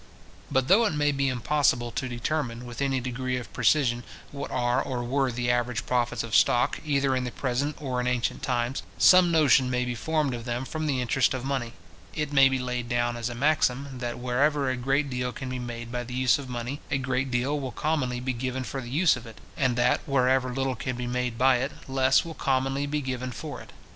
But though it may be impossible to determine, with any degree of precision, what are or were the average profits of stock, either in the present or in ancient times, some notion may be formed of them from the interest of money. It may be laid down as a maxim, that wherever a great deal can be made by the use of money, a great deal will commonly be given for the use of it; and that, wherever little can be made by it, less will commonly he given for it.